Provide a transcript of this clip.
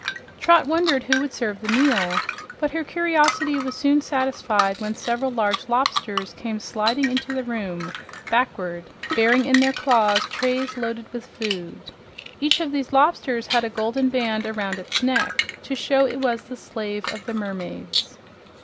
Trot wondered who would serve the meal, but her curiosity was soon satisfied when several large lobsters came sliding into the room backward, bearing in their claws trays loaded with food. Each of these lobsters had a golden band behind its neck to show it was the slave of the mermaids.